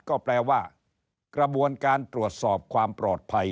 ก็แปลว่ากระบวนการตรวจสอบความปลอดภัย